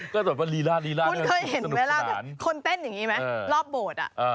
ก็แบบว่าลีลาลีลาสนุกสนานคุณเคยเห็นเวลาคนเต้นอย่างนี้ไหมรอบโบสถ์